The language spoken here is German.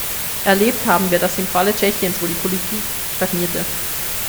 Erlebt haben wir das im Falle Tschechiens, wo die Politik stagnierte.